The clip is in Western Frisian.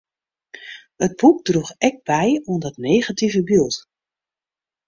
It boek droech ek by oan dat negative byld.